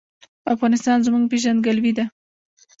افغانستان زما پیژندګلوي ده؟